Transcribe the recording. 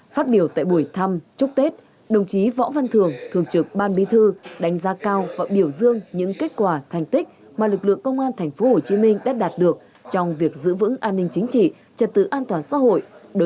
phát biểu tại buổi thăm chúc tết đồng chí võ văn thường thường trực ban bi thư đánh giá cao và biểu dương những kết quả thành tích mà lực lượng công an thành phố hồ chí minh đã đạt được trong việc giữ vững an ninh chính trị trật tự an toàn xã hội